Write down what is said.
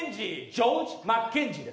ジョージ・マッケンジーです。